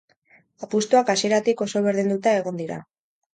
Apustuak, hasieratik oso berdinduta egon dira.